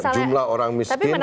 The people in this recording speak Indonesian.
jumlah orang miskin